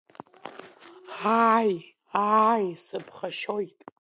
Ааи, ааи, сыԥхашьоит!